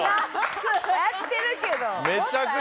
やってるけど。